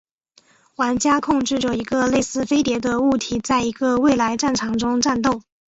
玩家控制着一个类似飞碟的物体在一个未来战场中战斗。